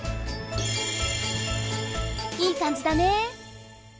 いいかんじだね！